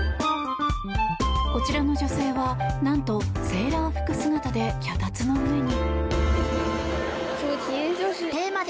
こちらの女性は、なんとセーラー服姿で脚立の上に。